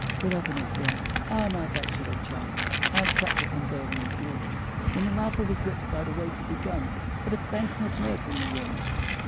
But up in his den (Ah, my bachelor chum!) I have sat with him there in the gloom, When the laugh of his lips died away to become But a phantom of mirth in the room!